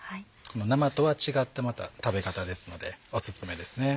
生とは違った食べ方ですのでオススメですね。